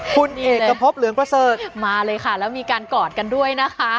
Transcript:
คุณเอกพบเหลืองประเสริฐมาเลยค่ะแล้วมีการกอดกันด้วยนะคะ